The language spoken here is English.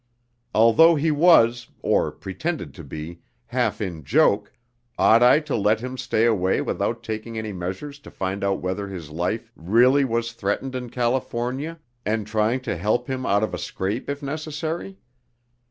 Although he was, or pretended to be, half in joke, ought I to let him stay away without taking any measures to find out whether his life really was threatened in California, and trying to help him out of a scrape if necessary?